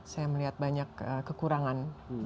saya melihat banyak kekurangan